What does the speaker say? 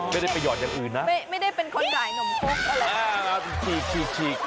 ไม่ได้ไปหยอดอย่างอื่นนะไม่ได้เป็นคนหลายหนมโก๊กหรอก